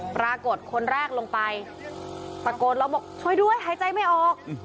ปรากฏคนแรกลงไปตะโกนแล้วบอกช่วยด้วยหายใจไม่ออก